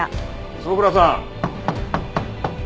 坪倉さん。